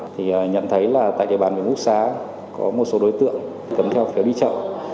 thì nhận thấy là tại địa bàn huyện ngũ xá có một số đối tượng cấm theo phiếu đi chợ